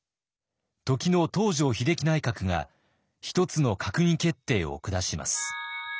時の東條英機内閣が一つの閣議決定を下します。